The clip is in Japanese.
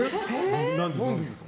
何でですか？